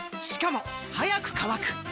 しかも速く乾く！